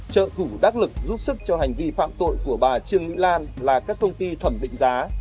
trợ thủ đắc lực giúp sức cho hành vi phạm tội của bà trương mỹ lan là các công ty thẩm định giá